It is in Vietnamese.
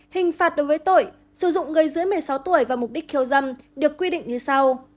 hình phạt đối với tội sử dụng người dưới một mươi sáu tuổi và mục đích khiêu dâm được quy định như sau